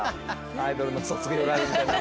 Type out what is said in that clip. アイドルの卒業ライブみたいに。